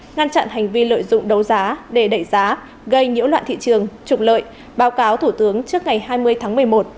ngăn chặn hành vi lợi dụng đấu giá để đẩy giá gây nhiễu loạn thị trường trục lợi báo cáo thủ tướng trước ngày hai mươi tháng một mươi một